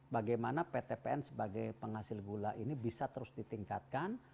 bagaimana ptpn sebagai penghasil gula ini bisa terus ditingkatkan